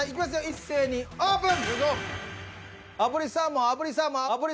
一斉にオープン。